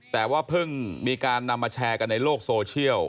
แต่ว่าเพิ่งมีการนำมาแชร์กันในโลกโซเชียล